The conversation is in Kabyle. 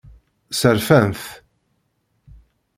Sserfan-t.